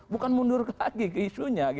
bukan mundur lagi ke isunya